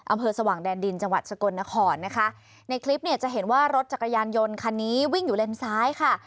อำเภอสว่างแดนดินจังหวัดสกลนครนะคะในคลิปเนี่ยจะเห็นว่ารถจักรยานยนต์คันนี้วิ่งอยู่เลนซ้ายค่ะ